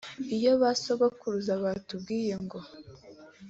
iyo basogokuruza batubwiye ngo